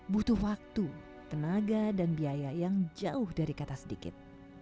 butuh waktu tenaga dan biaya yang jauh dari kata sedikit